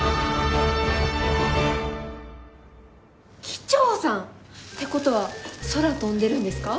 機長さん！？って事は空飛んでるんですか？